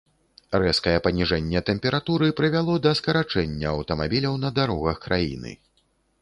Рэзкае паніжэнне тэмпературы прывяло да скарачэння аўтамабіляў на дарогах краіны.